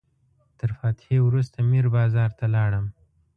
تر فاتحې وروسته میر بازار ته لاړم.